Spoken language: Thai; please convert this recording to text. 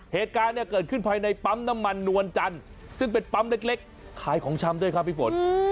เหตุการณ์เนี่ยเกิดขึ้นภายในปั๊มน้ำมันนวลจันทร์ซึ่งเป็นปั๊มเล็กขายของชำด้วยครับพี่ฝน